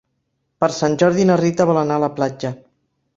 Per Sant Jordi na Rita vol anar a la platja.